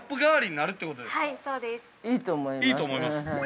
◆いいと思います。